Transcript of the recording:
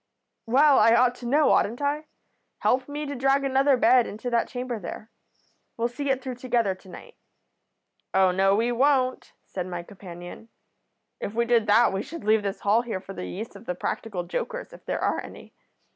"'Well, I ought to know, oughtn't I? Help me to drag another bed into that chamber there. We'll see it through together to night.' "'Oh, no, we won't,' said my companion. 'If we did that we should leave this hall here for the use of the practical jokers, if there are any.